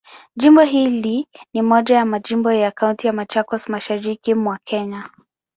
Jimbo hili ni moja ya majimbo ya Kaunti ya Machakos, Mashariki mwa Kenya.